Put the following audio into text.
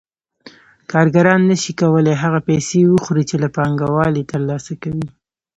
کارګران نشي کولای هغه پیسې وخوري چې له پانګوال یې ترلاسه کوي